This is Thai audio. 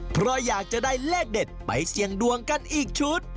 เพราะอยากจะได้เลขเด็ดไปเสี่ยงดวงกันอีกชุด